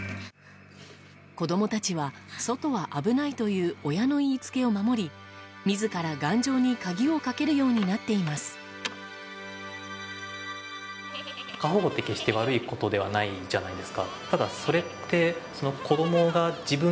子供たちは外は危ないという親の言いつけを守り自ら、頑丈に鍵をかけるようになっています。